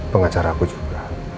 pengacara aku juga